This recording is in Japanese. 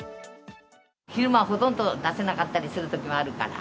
昼間はほとんど出せなかったりするときもあるから。